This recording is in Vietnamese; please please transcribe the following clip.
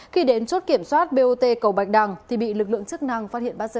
khi đến chốt kiểm soát bot cầu bạch đằng thì bị lực lượng chức năng phát hiện bắt giữ